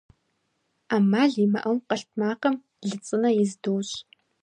Ӏэмал имыӀэу, къэлътмакъым лы цӀынэ из дощӀ.